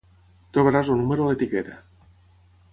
Trobaràs el número a l'etiqueta.